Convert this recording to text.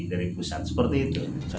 pembiayaan tentunya seperti itu ya terserah